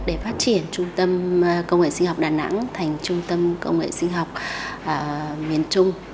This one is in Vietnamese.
để phát triển trung tâm công nghệ sinh học đà nẵng thành trung tâm công nghệ sinh học miền trung